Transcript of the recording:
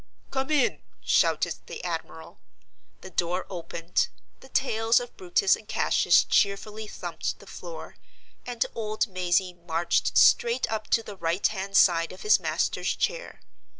"Come in!" shouted the admiral. The door opened; the tails of Brutus and Cassius cheerfully thumped the floor; and old Mazey marched straight up to the right hand side of his master's chair.